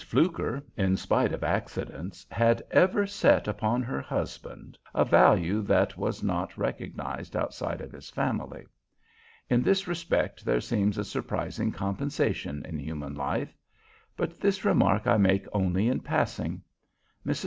Fluker, in spite of accidents, had ever set upon her husband a value that was not recognized outside of his family. In this respect there seems a surprising compensation in human life. But this remark I make only in passing. Mrs.